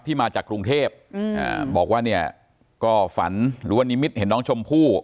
มาจากกรุงเทพบอกว่าเนี่ยก็ฝันหรือว่านิมิตเห็นน้องชมพู่